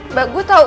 mbak gue tau